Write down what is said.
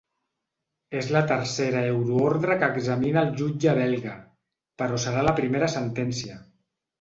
És la tercera euroordre que examina el jutge belga, però serà la primera sentència.